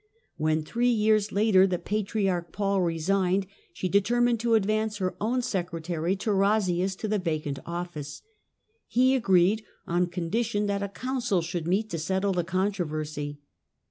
When, three years later, the Patriarch Paul resigned, she determined to advance her own secretary, Tarasius, to the vacant office. He agreed on condition that a council should meet to settle the controversy.